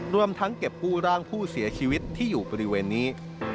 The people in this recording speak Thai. รวมทั้งเก็บกู้ร่างผู้เสียชีวิตที่อยู่บริเวณนี้